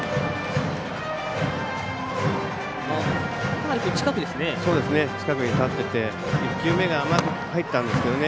かなり近くですね。